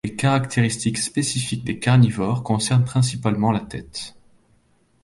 Les caractéristiques spécifiques des carnivores concernent principalement la tête.